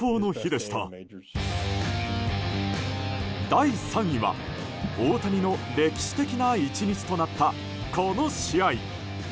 第３位は大谷の歴史的な１日となったこの試合。